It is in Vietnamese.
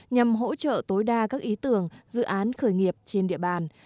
nhằm hỗ trợ tối đa các ý tưởng dự án khởi nghiệp trên địa bàn